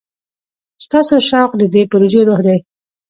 ستاسو شوق د دې پروژې روح دی.